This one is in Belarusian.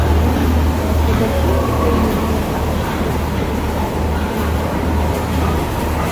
Проста дасюль у краіне мала якаснага ўкраінскага культурнага прадукту.